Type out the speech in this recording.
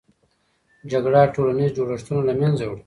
جګړه ټولنیز جوړښتونه له منځه وړي.